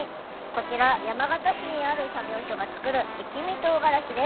こちら山形市にある作業所が作る一味とうがらしです。